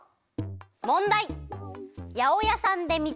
もんだい！